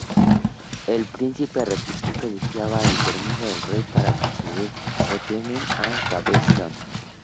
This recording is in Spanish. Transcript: El príncipe replicó que deseaba el permiso del rey para conceder Ponthieu a Gaveston.